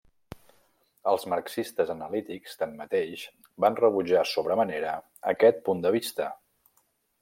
Els marxistes analítics, tanmateix, van rebutjar sobre manera aquest punt de vista.